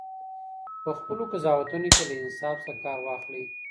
په خپلو قضاوتونو کې له انصاف څخه کار واخلئ.